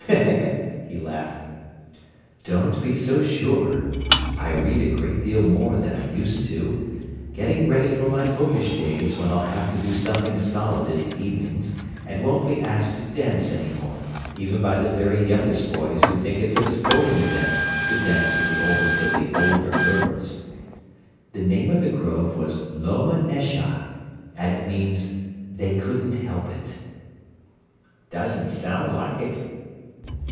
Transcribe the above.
he laughed. "Don't be so sure! I read a great deal more than I used to—getting ready for my bookish days when I'll have to do something solid in the evenings and won't be asked to dance any more, even by the very youngest boys who think it's a sporting event to dance with the oldest of the 'older girls'. The name of the grove was 'Loma Nashah' and it means 'They Couldn't Help It'." "Doesn't sound like it."